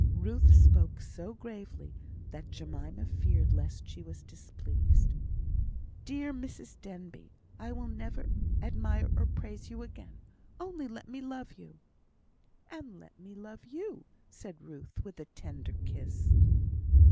Ruth spoke so gravely, that Jemima feared lest she was displeased. "Dear Mrs Denbigh, I never will admire or praise you again. Only let me love you." "And let me love you!" said Ruth, with a tender kiss.